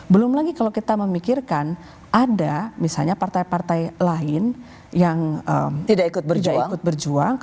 belum lagi kalau kita memikirkan ada misalnya partai partai lain yang tidak ikut berjuang